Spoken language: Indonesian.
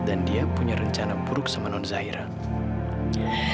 dan dia punya rencana buruk sama nonzairah